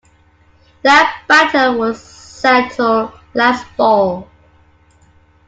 That battle was settled last fall.